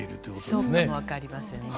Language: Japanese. そうかも分かりませんね。